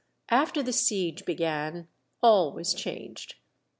after the siege began, all was changed.